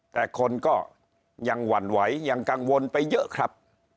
แต่คนก็ยังหวั่นไหวยังกังวลไปเยอะครับ